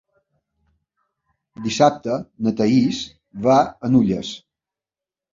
Dissabte na Thaís va a Nulles.